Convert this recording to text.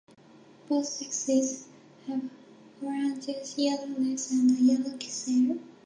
Both sexes have orangish-yellow legs and a yellow cere.